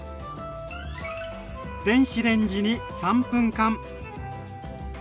電子レンジに３分間。